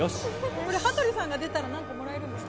これ、羽鳥さんが出たら何かもらえるんですか？